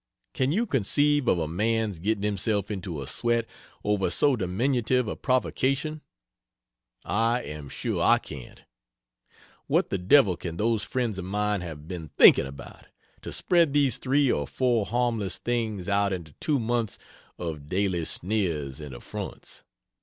Can you conceive of a man's getting himself into a sweat over so diminutive a provocation? I am sure I can't. What the devil can those friends of mine have been thinking about, to spread these 3 or 4 harmless things out into two months of daily sneers and affronts?